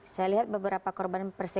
saya lihat beberapa korban yang dianggap lemah